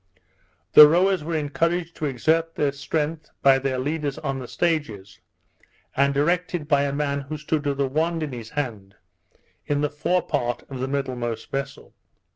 The rowers were encouraged to exert their strength by their leaders on the stages, and directed by a man who stood with a wand in his hand in the forepart of the middlemost vessel.